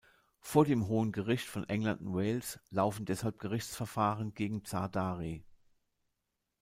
Vor dem Hohen Gericht von England und Wales laufen deshalb Gerichtsverfahren gegen Zardari.